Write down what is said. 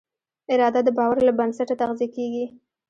اراده د باور له بنسټه تغذیه کېږي.